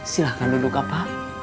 silahkan duduk apa